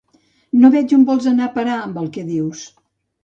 No veig on vols anar a parar amb el que dius.